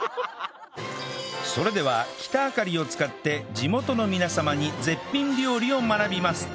それではキタアカリを使って地元の皆様に絶品料理を学びます